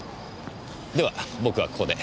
では僕はここで。